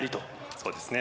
そうですね